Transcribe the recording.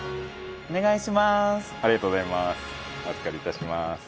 「お願いします」